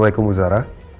baik ohh tuhan